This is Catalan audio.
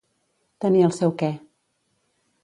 Tenir el seu què.